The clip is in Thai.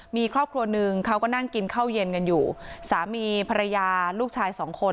มีครอบครัวหนึ่งเขาก็นั่งกินข้าวเย็นกันอยู่สามีภรรยาลูกชายสองคน